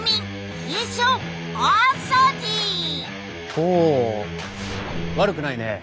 ほう悪くないね。